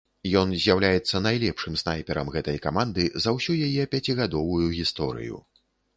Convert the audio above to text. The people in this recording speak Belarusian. Ён з'яўляецца найлепшым снайперам гэтай каманды за ўсю яе пяцігадовую гісторыю.